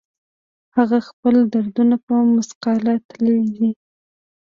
هغه خپل دردونه په مثقال تللي دي